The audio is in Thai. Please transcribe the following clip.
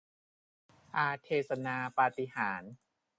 อาเทสนาปาฏิหาริย์